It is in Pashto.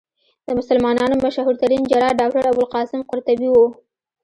د مسلمانانو مشهورترين جراح ډاکټر ابوالقاسم قرطبي وو.